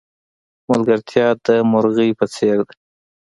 ملگرتیا د مرغی په څېر ده.